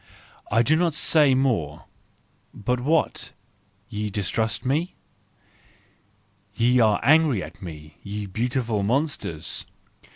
—I do not say more.—But what! Ye distrust me? Ye are angry at me, ye beautiful monsters